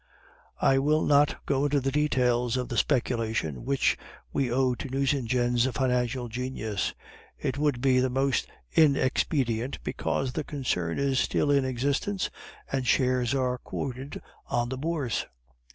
"I will not go into the details of the speculation which we owe to Nucingen's financial genius. It would be the more inexpedient because the concern is still in existence and shares are quoted on the Bourse.